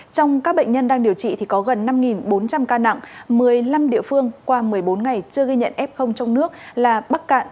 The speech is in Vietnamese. trong các bệnh nhân đang điều trị thì có gần năm bốn trăm linh ca nặng một mươi năm địa phương qua một mươi bốn ngày chưa ghi nhận f trong nước là bắc cạn